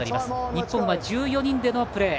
日本は１４人でのプレー